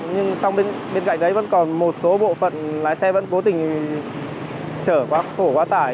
nhưng bên cạnh đấy vẫn còn một số bộ phận lái xe vẫn cố tình chở quá khổ quá tải